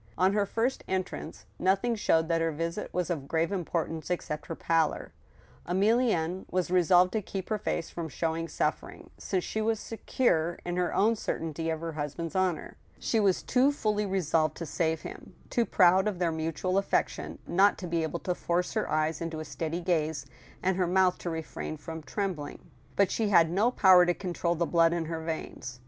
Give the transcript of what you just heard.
On her first entrance, nothing showed that her visit was of grave importance except her pallor. Emilienne was resolved to keep her face from showing suffering, since she was secure in her own certainty of her husband's honor. She was too fully resolved to save him, too proud of their mutual affection, not to be able to force her eyes into a steady gaze, and her mouth to refrain from tt^mbling. But she had no power to control the blood in her veins.